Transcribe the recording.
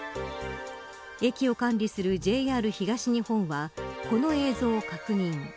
駅を管理するＪＲ東日本はこの映像を確認。